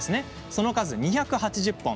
その数２８０本。